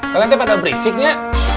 kalian tuh pada berisiknya